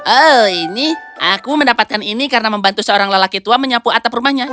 oh ini aku mendapatkan ini karena membantu seorang lelaki tua menyapu atap rumahnya